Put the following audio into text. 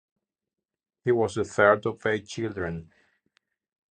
He was the third of eight children.